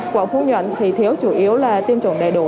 quả phú nhuận thì thiếu chủ yếu là tiêm chủng đầy đủ